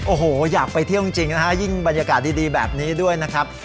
โอ้โหอยากไปเที่ยวจริงนะฮะยิ่งบรรยากาศดีแบบนี้ด้วยนะครับ